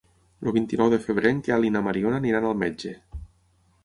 El vint-i-nou de febrer en Quel i na Mariona aniran al metge.